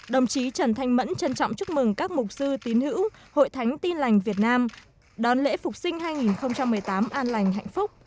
đồng chí trần thanh mẫn trân trọng chúc mừng các mục sư tín hữu hội thánh tin lành việt nam đón lễ phục sinh hai nghìn một mươi tám an lành hạnh phúc